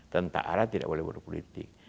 tentara tidak boleh berpolitik